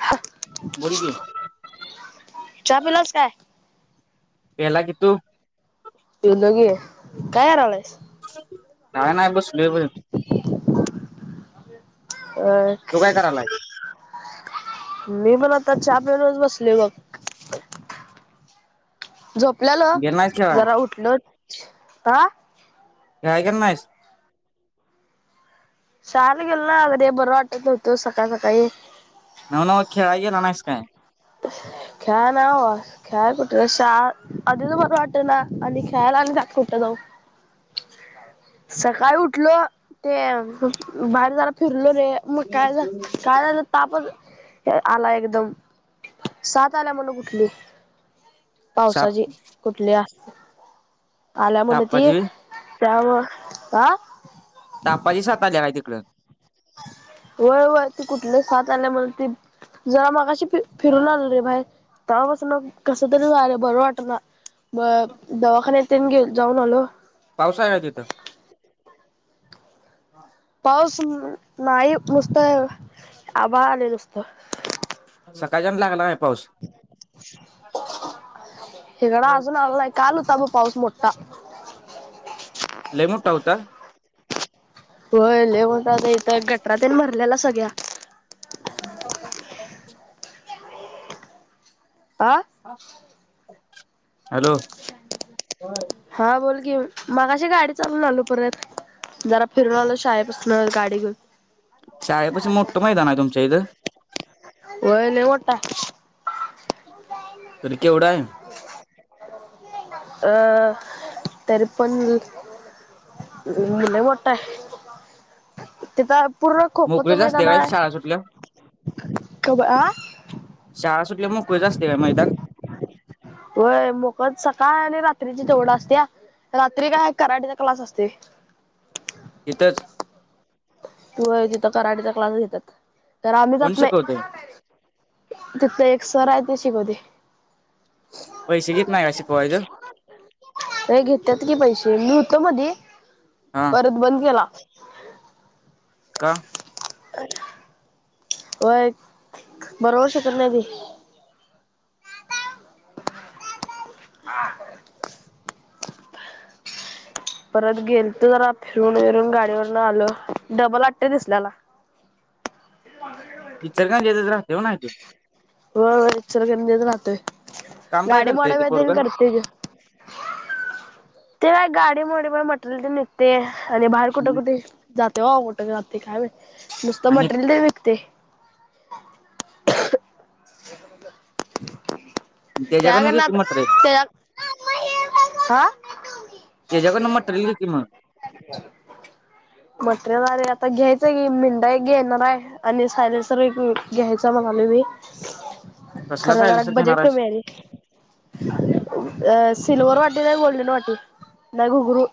हा बोल की चहा पिलास काय? प्याला की तू? पिलो की काय करालाईस काय नाही बसलोय बाहीर अ तू काय करायलाय? मी पन आता चहा पिऊनच बसलोय बघ झोपलेलो गेला नाहीस खेळाय जरा उठलो आ शाळेला गेला नाहीस शाळेला गेलो नाही [inaudible] ते बरं वाटत नव्हतं सकाळी सकाळी नव नव खेळाय गेला नाहीस काय? खेळाय नाही बाबा खेळाय कुठं शाळा आधीच बरं वाटना आणि खेळायला आणि त्यात कुठ जाऊ सकाळी उठलो ते बाहेर जरा फिरलो रे मग काय आल काय झाल तापच आला एकदम सात आल्या म्हण कुठली साप पावसाची कुठल्या आल्या म्हन ती तापाजी त्यामुळ आ तापाची सात आल्या काय तिकडं? व्हय व्हय ती कुठली साथ आल्या म्हन ती जरा मगाशी फ फिरून आलो रे बाहेर तेव्हा पासन कस तरीच व्हायलय बरं वाटना बर दवाखान्यात तेन गेलो जाऊन आलो पावसाळ्यात येत. हा! पाऊस नाही नुसत, आभाळ आलेय नुसत. सकाळच्याण लागला आहे पाऊस. हीकड अजून आला नाहीत. काल होताब पाऊस मोटा. लयी मोठा होता? होय लई मोठा होता इथं गटरातेन भरलेला सगळ्या. [unintelligible] [inaudible] आ! हॅलो! हा बोल की मगाशी गाडी चालून आलो परत. जरा फिरून आलो शाळेपसन गाडी घेऊन. शाळे पशी मोट्ट मैदान आहे तुमच्या इथं. व्हय लय मोठा आहे. तरी केवढं आहे. अ तर पन. अं लयी मोटा हे तीत. पूर्ण खुपच मोकळीच असते मैदान काय आहे शाळा सुटल्या क आ! शाळा सुटल्याव मोकळे चं असते का मैदान? होय मोकळ सकाळ आणि रात्रीची तेवढं असतेया, रात्री काय कराट्याचे क्लास असते. इथंच. व्हय तिथं कराटयाचा क्लास घेतात, तर आम्ही कोण जात नाही. शिकवतय तिथलं एक सर आहे ते शिकवते. पैसे घेत नाही का शिकवायाचं. व्हयं घेतात की पैसे, मी होतो मधी. हा! परत बंद केला. का? व्हय बरोबर शिकवत नाय ती. [unintelligible] परत गेलतो जरा फिरून वीरून गाडीवरन आलो डबल आत्या दिसल्याला. इचं का येतच राहते वो नाही ते. होय चर गेंदेच राहतोय काम काय गाडी करते ते पोरग मोड्यामधीन करतेन. ते गाडी मोडी पायी मटरेल ते निघतेया आणि बाहेर कुठं कुठे जाते वा कुठं जात. ते काय व्हयं नुसतं आणि मटरेलदे विकते. त्या त्याच्याकडनं घे की गणनात मटेरियल त्या आ! त्याच्याकडंन मटरेल घेती म! मटरेल आलय आता घ्यायचंय की [unintelligible] घेणार आहे. आणि सायलेनसर एक घ्यायचा मग आम्ही बी कसला खरं जरा सायलेन्सर घेणार बजेट आहेस कमी आहे रे. अ सिल्वर वाटी, नाही गोल्डन वाटी, नाही घुगुरू.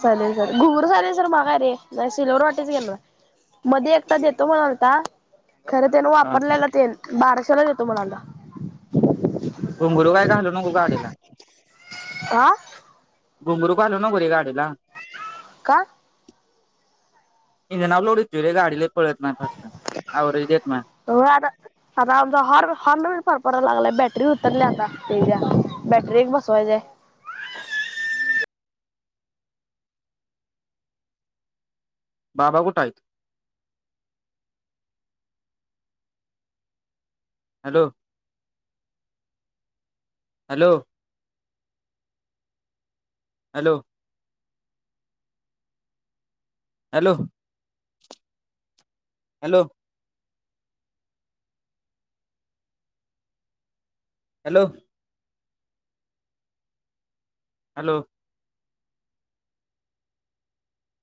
चालेल-चाले घुगरू चालेन सर मागा रे, नाही सिल्वर वाटी चं घेणार. मध्ये एकता देतो म्हणालता, खरं त्यान हा वापरलेला तेन बाराशेला देतो म्हणालता. घुंगुरु काही घालू नको गाडीला. हा घुंगरू बांधूं नको रे गांडीला कां इंजना लोडीत ते रे गांडीला पळतं आवरेज देतं नाहीं हो आंता आंता आमचां हॉर्न हॉर्न फांर पडांयला लागलांय बॅटरी उतरली आंता ते बॅटरी एक बसवांय ची आहे बाबां कुंठे आहेतं hello hello hello hello hello hello hello